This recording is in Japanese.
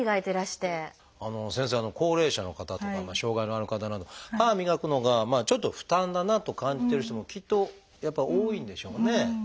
先生高齢者の方とか障害のある方など歯磨くのがちょっと負担だなと感じてる人もきっとやっぱ多いんでしょうね。